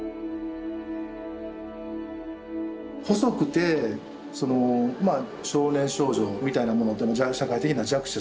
細くてその少年少女みたいなものっていうのは社会的な弱者じゃないですか。